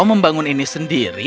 anda membuang akun ini sendiri